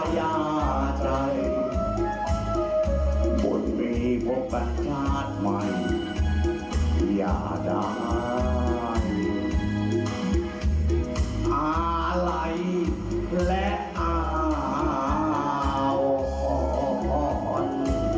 อย่าใจบนมีพวกประชาติใหม่อย่าดายอาลัยและอาวนด์